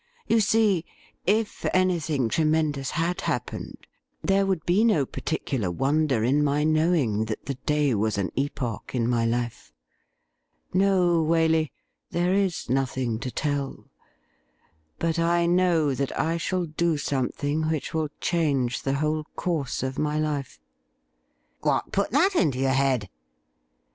You see, if anything tremendous had happened, there would be no particular wonder in my knowing that the day was an epoch in ray life. No, Waley, there is nothing to tell. But I know that I shall do something which will change the whole course of my life.' ' What put that into your head